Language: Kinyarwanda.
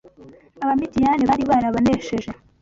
Abamidiyani bari barabanesheje